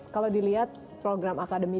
kalau dilihat program akademi